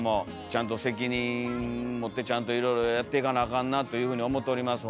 ちゃんと責任持ってちゃんといろいろやっていかなあかんなというふうに思っております